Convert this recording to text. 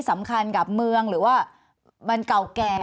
สำคัญกับเมืองหรือว่ามันเก่าแก่